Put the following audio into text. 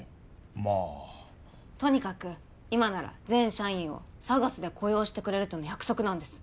まあとにかく今なら全社員をＳＡＧＡＳで雇用してくれるとの約束なんです